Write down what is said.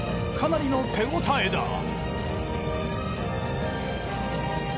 かなりの手応えだ。